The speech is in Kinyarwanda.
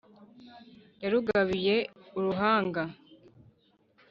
Yarugabiye aruhanga